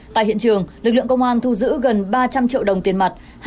tại hiện trường lực lượng công an thu giữ gần ba trăm linh triệu đồng tiền mặt